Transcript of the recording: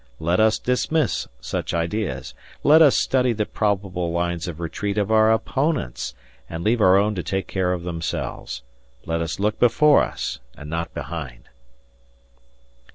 Let us dismiss such ideas, ... let us study the probable lines of retreat of our opponents and leave our own to take care of themselves. Let us look before us and not behind.